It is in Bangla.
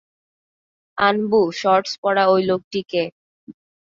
আনবু, শর্টস পরা ওই লোকটি কে?